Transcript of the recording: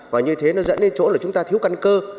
và như thế nó dẫn đến chỗ là chúng ta thiếu căn cơ